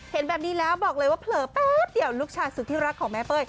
เห็นแบบนี้แล้วบอกเลยว่าเผลอแป๊บ